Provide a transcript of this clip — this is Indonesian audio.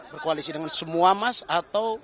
berkoalisi dengan semua mas atau